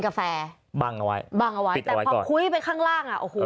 กาแฟบังเอาไว้บังเอาไว้แต่พอคุ้ยไปข้างล่างอ่ะโอ้โห